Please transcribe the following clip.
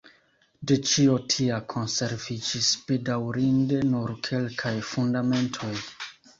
De ĉio tia konserviĝis bedaŭrinde nur kelkaj fundamentoj.